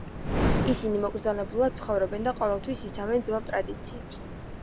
ისინი მოკრძალებულად ცხოვრობენ და ყოველთვის იცავენ ძველ ტრადიციებს.